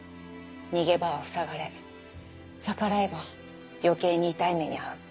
逃げ場はふさがれ逆らえば余計に痛い目に遭う。